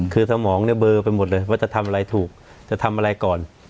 คือสมองเนี่ยเบอร์ไปหมดเลยว่าจะทำอะไรถูกจะทำอะไรก่อน